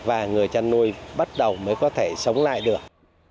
và người chăn nuôi bắt đầu mới có thể sống lại được